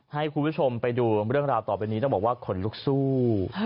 ให้คุณผู้ชมไปดูเรื่องราวต่อไปนี้ต้องบอกว่าขนลุกสู้